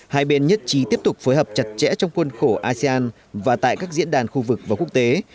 hai bên nhất trí tiếp tục phối hợp chặt chẽ trong quân khổ asean và tại các diễn đàn khu vực và quốc tế